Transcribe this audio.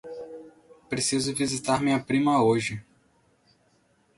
Preciso visitar minha prima hoje.